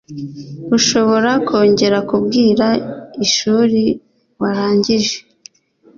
ushobora kongera kumbwira ishuri warangije